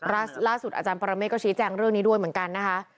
ล่าสุดอาจารย์ปรเมฆก็ชี้แจงเรื่องนี้ด้วยเหมือนกันนะคะ